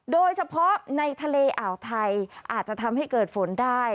โดยเฉพาะในทะเลอ่าวไทยอาจจะทำให้เกิดฝนได้